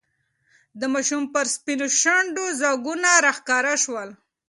د ماشوم پر سپینو شونډو ځگونه راښکاره شول.